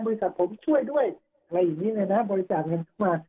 บริษัทผมช่วยด้วยอะไรอย่างนี้นะฮะบริษัทเงินทุกมา